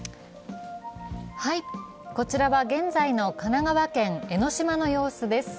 こちらは現在の神奈川県江の島の様子です。